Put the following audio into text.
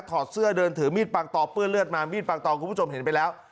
อดเสื้อเดินถือมีดปังตองเปื้อนเลือดมามีดปังตองคุณผู้ชมเห็นไปแล้ว